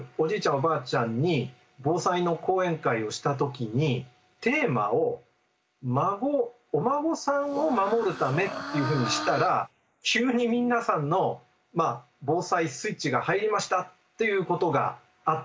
おばあちゃんに防災の講演会をした時にテーマを孫お孫さんを守るためっていうふうにしたら急に皆さんの防災スイッチが入りましたっていうことがあったんですね。